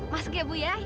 masuk ya bu ya